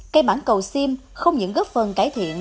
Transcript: cây mãn cầu sim không những góp phần cải thiện